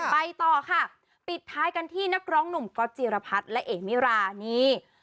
ไปต่อค่ะปิดท้ายกันที่นักร้องหนุ่มก๊อตจีรพัฒน์และเอกมิรานี่